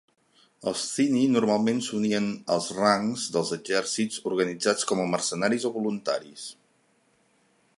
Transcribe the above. Els Thyni normalment s'unien als rancs dels exèrcits organitzats com a mercenaris o voluntaris.